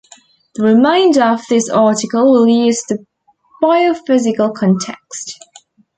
The remainder of this article will use the biophysical context.